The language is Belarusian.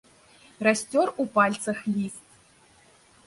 Расцёр у пальцах ліст.